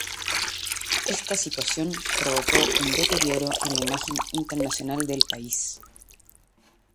Esta situación provocó un deterioro en la imagen internacional del país.